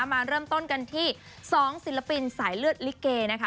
มาเริ่มต้นกันที่๒ศิลปินสายเลือดลิเกนะคะ